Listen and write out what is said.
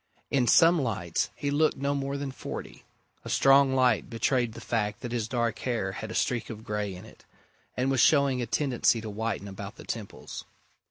In some lights he looked no more than forty: a strong light betrayed the fact that his dark hair had a streak of grey in it, and was showing a tendency to whiten about the temples.